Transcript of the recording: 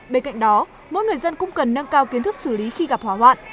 bên cạnh đó mỗi người dân cũng cần nâng cao kiến thức xử lý khi gặp hỏa hoạn